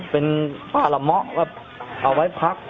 เป็นภาระมะแบบเอาไว้พัก